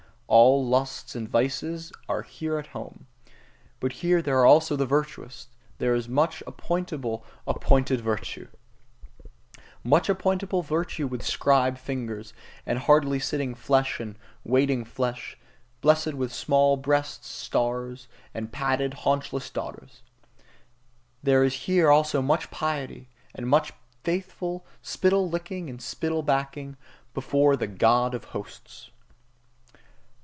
All lusts and vices are here at home; but here there are also the virtuous; there is much appointable appointed virtue: Much appointable virtue with scribe fingers, and hardy sitting flesh and waiting flesh, blessed with small breast stars, and padded, haunchless daughters. There is here also much piety, and much faithful spittle licking and spittle backing, before the God of Hosts.